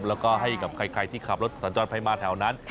แล้วก็ให้กับใครที่ขับรถสัญจรไปมาแถวนั้น